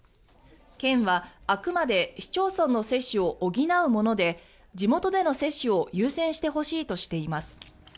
県はあくまで市町村の接種を補うもので地元での接種を優先してほしいとしています。